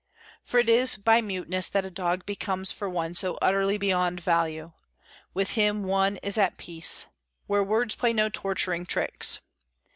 For it is by muteness that a dog becomes for one so utterly beyond value; with him one is at peace, where words play no torturing tricks.